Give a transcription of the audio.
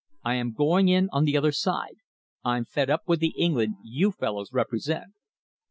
I am going in on the other side. I'm fed up with the England you fellows represent."